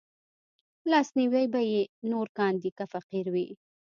لاسنيوی به يې نور کاندي که فقير وي